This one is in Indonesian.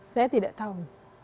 saya tidak tahu